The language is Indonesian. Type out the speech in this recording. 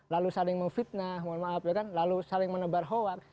lalu saling memfitnah mohon maaf lalu saling menebar hoak